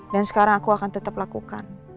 dan sekarang aku akan tetap lakukan